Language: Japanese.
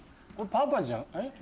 パパじゃ。